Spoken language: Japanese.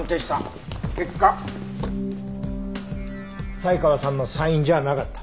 結果才川さんのサインじゃなかった。